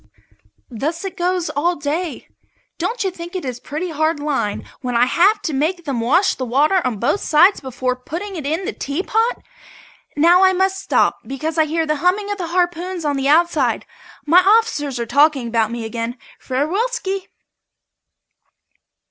Thus it goes all day. Don't you think it is pretty hard lines when I have to make them wash the water on both sides before putting it in the teapot? Now I must stop because I hear the humming of the harpoons on the outside. My officers are talking about me again. Farewellski!